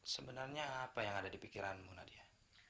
sebenarnya apa yang ada di pikiranmu nadia